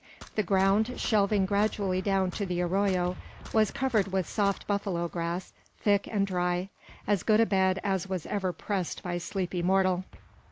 The ground, shelving gradually down to the arroyo, was covered with soft buffalo grass, thick and dry as good a bed as was ever pressed by sleepy mortal.